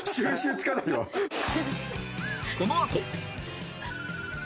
このあと